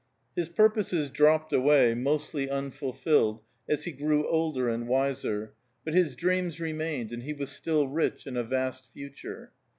His purposes dropped away, mostly unfulfilled, as he grew older and wiser, but his dreams remained and he was still rich in a vast future.